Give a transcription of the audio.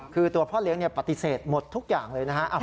คือตัวพ่อเลี้ยงปฏิเสธหมดทุกอย่างเลยนะฮะ